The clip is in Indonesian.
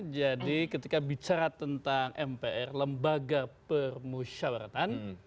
jadi ketika bicara tentang mpr lembaga permusyawaratan